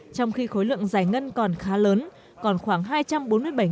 trong khi khối lượng giải ngân còn khá lớn còn khoảng hai trăm bốn mươi bảy tỷ đồng